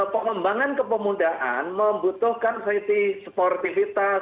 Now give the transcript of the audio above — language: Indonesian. pengembangan kepemudaan membutuhkan safety sportivitas